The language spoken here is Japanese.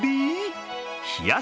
冷やし